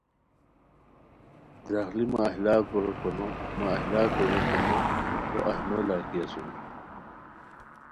دراغلی مہ ایھ لاکور ریکو نو مہ ایھ لاکور ریکو نو تو ایھ نو لاکی اسونی